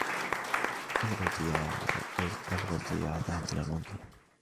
ألغوا زيارتهم إلى لندن.